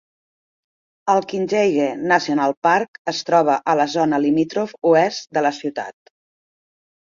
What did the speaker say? El Kinchega National Park es troba a la zona limítrof oest de la ciutat.